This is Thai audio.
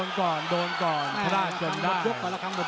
อยู่ขวาขวาแล้วทายา